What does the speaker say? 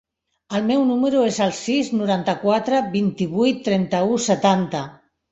El meu número es el sis, noranta-quatre, vint-i-vuit, trenta-u, setanta.